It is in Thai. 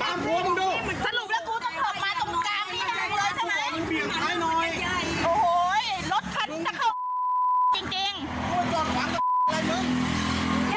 ว่าเวลากูถอยรถมันต้องเบียงอย่างเนี้ย